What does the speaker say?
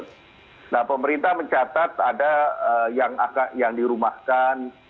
nah pemerintah mencatat ada yang dirumahkan